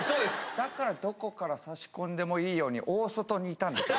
だから、どこから差し込んでもいいように、大外にいたんですね。